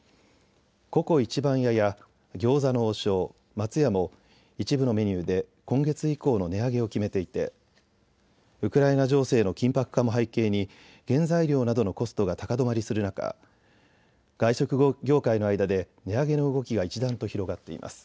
番屋や餃子の王将、松屋も一部のメニューで今月以降の値上げを決めていてウクライナ情勢の緊迫化も背景に原材料などのコストが高止まりする中、外食業界の間で値上げの動きが一段と広がっています。